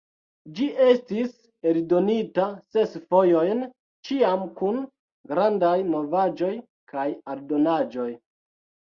Ĝi estis eldonita ses fojojn, ĉiam kun grandaj novaĵoj kaj aldonaĵoj.